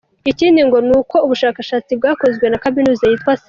Ikindi ngo ni uko ubushakashatsi bwakozwe na Kaminuza yitwa St.